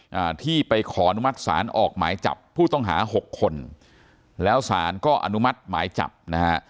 อ่าที่ไปขออนุมัติศาลออกหมายจับผู้ต้องหาหกคนแล้วสารก็อนุมัติหมายจับนะฮะ